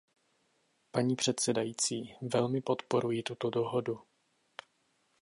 Paní předsedající, velmi podporuji tuto dohodu.